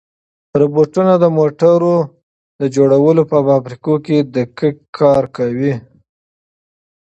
روبوټونه د موټرو د جوړولو په فابریکو کې دقیق کار کوي.